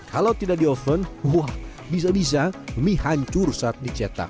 kalau tidak di oven wah bisa bisa mie hancur saat dicetak